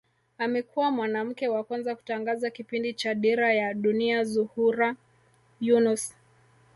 Amekuwa mwanamke wa kwanza kutangaza kipindi cha Dira ya Dunia Zuhura Yunus